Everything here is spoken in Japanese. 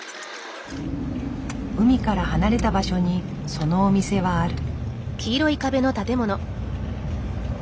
海から離れた場所にそのお店はある。